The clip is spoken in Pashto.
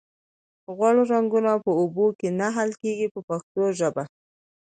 غوړ رنګونه په اوبو کې نه حل کیږي په پښتو ژبه.